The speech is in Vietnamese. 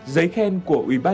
giấy khen của ubat